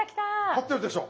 立ってるでしょ？